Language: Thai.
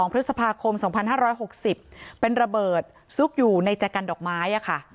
พฤษภาคม๒๕๖๐เป็นระเบิดซุกอยู่ในใจกันดอกไม้ค่ะ